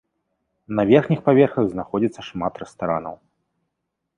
На верхніх паверхах знаходзіцца шмат рэстаранаў.